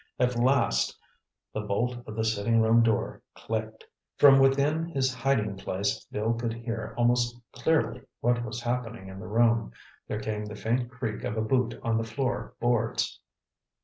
At last—the bolt of the sitting room door clicked. From within his hiding place Bill could hear almost clearly what was happening in the room. There came the faint creak of a boot on the floor boards.